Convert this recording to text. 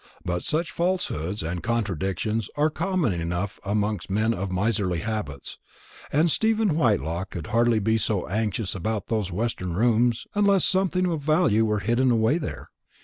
But such falsehoods and contradictions are common enough amongst men of miserly habits; and Stephen Whitelaw would hardly be so anxious about those western rooms unless something of value were hidden away there.